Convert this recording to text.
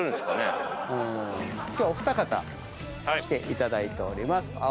今日はお二方来ていただいております。